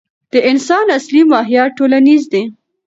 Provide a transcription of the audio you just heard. د انسان اصلي ماهیت ټولنیز دی.